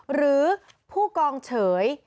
หรือผู้กองเฉย